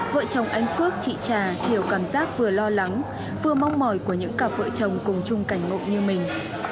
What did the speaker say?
vợ chồng anh phước chị trà thiểu cảm giác vừa lo lắng vừa mong mỏi của những cặp vợ chồng cùng chung cảnh ngộ như mình